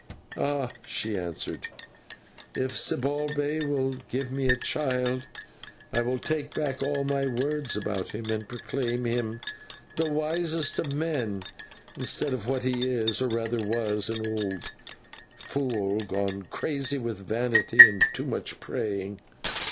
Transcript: "Ah!" she answered, "if Zibalbay will give me a child I will take back all my words about him, and proclaim him the wisest of men, instead of what he is, or rather was an old fool gone crazy with vanity and too much praying.